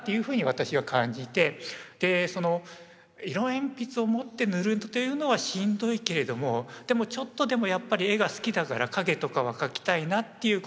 で色鉛筆を持って塗るっていうのはしんどいけれどもでもちょっとでもやっぱり絵が好きだから影とかは描きたいなっていう。